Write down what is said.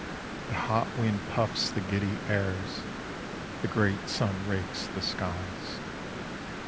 The hot wind puffs the giddy airs.... The great sun rakes the skies.